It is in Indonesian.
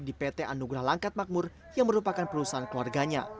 di pt anugrah langkat makmur yang merupakan perusahaan keluarganya